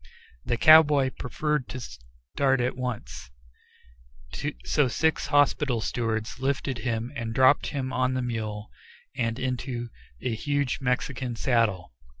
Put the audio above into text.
The cowboy preferred to start at once, so six hospital stewards lifted him and dropped him on the mule, and into a huge Mexican saddle.